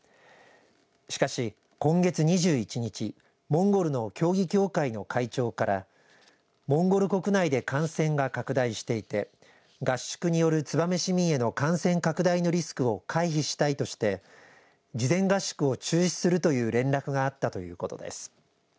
しかし、今月２１日モンゴルの競技協会の会長からモンゴル国内で感染が拡大していて合宿による燕市民への感染拡大のリスクを回避したいとして事前合宿を中止すると連絡があったということです。